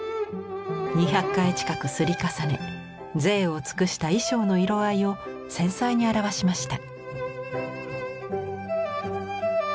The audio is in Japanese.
２００回近くり重ね贅を尽くした衣装の色合いを繊細に表しました。